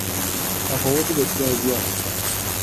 تفاوت بسیار زیاد